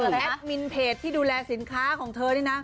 แอดมินเพจที่ดูแลสินค้าของเธอนี่นะ